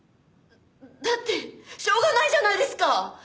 だってしょうがないじゃないですか！